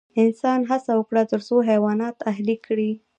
انسان هڅه وکړه تر څو حیوانات اهلي کړي.